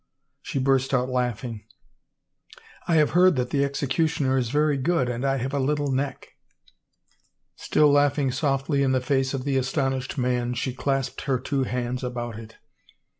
She burst out laughing, " I have heard the executioner is very good and I have a little neck." Still laughing 380 THE NUMBERED HOURS softly in the face of the astonished man she clasped her two hands about it.